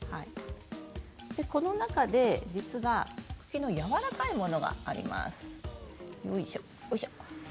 この中で実は茎のやわらかいものがあります。